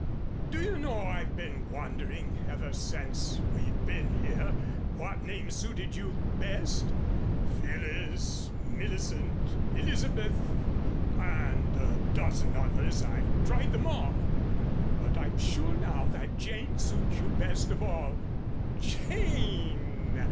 Do you know I've been wondering, ever since we've been here what name suited you best, Phyllis, Millicent, Elizabeth, and a dozen others I've tried them all; but I'm sure now that Jane suits you best of all. Jane!"